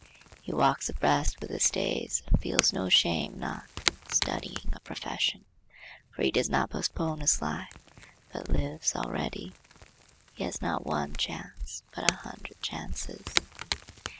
He walks abreast with his days and feels no shame in not 'studying a profession,' for he does not postpone his life, but lives already. He has not one chance, but a hundred chances.